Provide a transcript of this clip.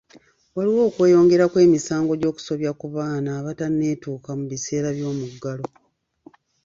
Waliwo okweyongera kw'emisango gy'okusobya ku baana abataneetuuka mu biseera by'omuggalo.